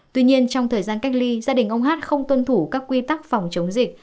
tuy nhiên trong thời gian cách ly gia đình ông hát không tuân thủ các quy tắc phòng chống dịch